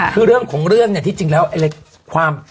คือเรื่องของเรื่องจริงแล้วความ